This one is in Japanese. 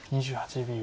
２８秒。